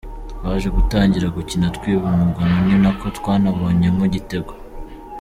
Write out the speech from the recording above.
Twaje gutangira gukina twiba umugono ni nako twanabonyemo igitego.